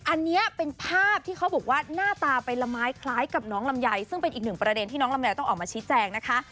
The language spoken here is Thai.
อันนี้เป็นภาพที่เขาบอกว่าหน้าตาไปละไม้คล้ายกับน้องลำไยซึ่งเป็นอีกหนึ่งประเด็นที่น้องลำไยต้องออกมาชี้แจงนะคะ